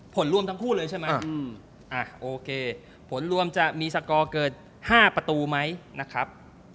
ผลรวมทั้งคู่เลยใช่ไหมโอเคผลรวมจะมีสกอร์เกิน๕ประตูไหมนะครับ